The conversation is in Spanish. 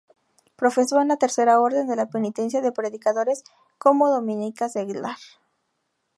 Profesó en la Tercera Orden de la Penitencia de Predicadores como Dominica Seglar.